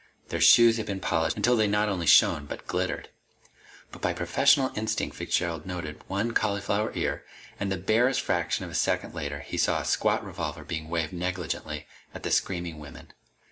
Their shoes had been polished until they not only shone, but glittered. But by professional instinct Fitzgerald noted one cauliflower ear, and the barest fraction of a second later he saw a squat revolver being waved negligently at the screaming women.